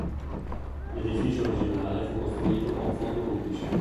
L'edificio originale fu costruito con fondi pubblici.